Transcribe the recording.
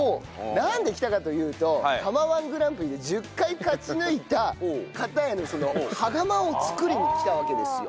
なんで来たかというと釜−１グランプリで１０回勝ち抜いた方への羽釜を作りにきたわけですよ。